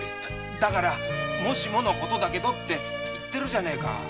だからもしものことだけどって言ってるじゃねえか。